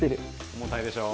重たいでしょう？